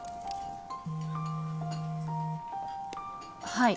はい。